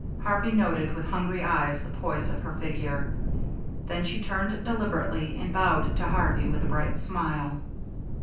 Harvey noted with hungry eyes the poise of her figure. Then she turned deliberately, and bowed to Harvey with a bright smile.